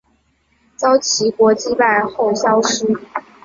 遭齐国击败后消失。